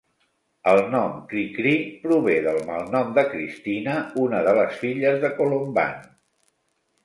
El nom "Cri-Cri" prové del malnom de Cristina, una de les filles de Colomban.